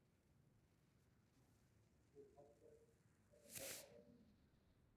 Tigemite rebendo agenge